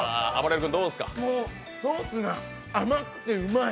ソースが甘くてうまい。